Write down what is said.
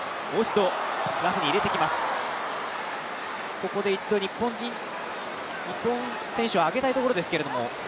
ここで日本選手を上げたいところですけれども。